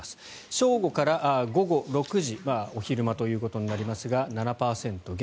正午から午後６時お昼間ということになりますが７％減。